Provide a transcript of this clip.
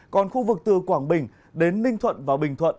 còn khu vực từ quảng bình đến ninh thuận và bình thuận